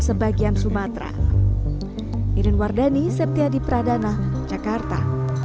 sebagian sumatera iren wardhani septyadi pradana jakarta